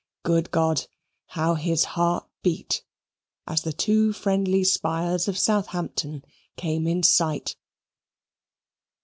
Good God, how his heart beat as the two friendly spires of Southampton came in sight.